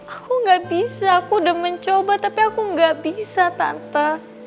aku gak bisa aku udah mencoba tapi aku gak bisa tanpa